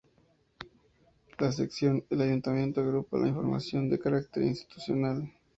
La sección ‘El Ayuntamiento’ agrupa la información de carácter institucional.